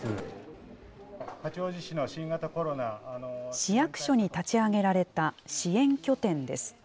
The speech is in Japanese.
市役所に立ち上げられた支援拠点です。